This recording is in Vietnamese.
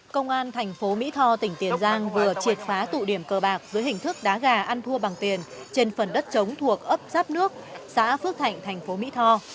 công an thành phố mỹ tho tỉnh tiền giang vừa triệt phá tụ điểm cờ bạc dưới hình thức đá gà ăn thua bằng tiền trên phần đất chống thuộc ấp giáp nước xã phước thạnh thành phố mỹ tho